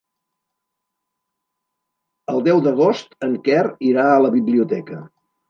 El deu d'agost en Quer irà a la biblioteca.